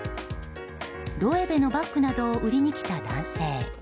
ロエベのバッグなどを売りに来た男性。